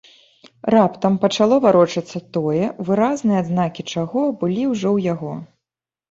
Раптам пачало варочацца тое, выразныя адзнакі чаго былі ўжо ў яго.